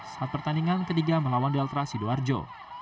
saat pertandingan ketiga melawan delta sidoarjo